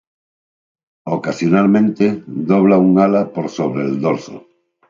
Ocasionalmente dobla un ala por sobre el dorso.